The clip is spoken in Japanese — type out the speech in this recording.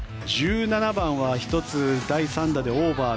１７番は１つ第３打でオーバー。